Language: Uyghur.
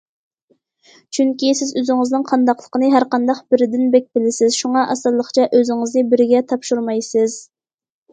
چۈنكى سىز ئۆزىڭىزنىڭ قانداقلىقىنى ھەر قانداق بىرىدىن بەك بىلىسىز، شۇڭا ئاسانلىقچە ئۆزىڭىزنى بىرىگە تاپشۇرمايسىز.